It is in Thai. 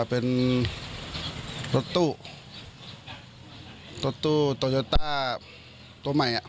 เป็นรถตู้รถตู้โตโยต้าตัวใหม่